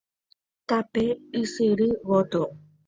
Tape ysyry gotyo.